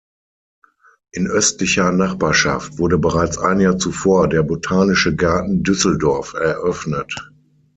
In östlicher Nachbarschaft wurde bereits ein Jahr zuvor der Botanische Garten Düsseldorf eröffnet.